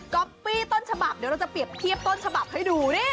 อปปี้ต้นฉบับเดี๋ยวเราจะเปรียบเทียบต้นฉบับให้ดูดิ